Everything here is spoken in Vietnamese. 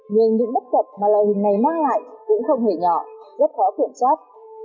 nhưng những bất cập mà loại hình này mang lại cũng không hề nhỏ rất khó kiểm soát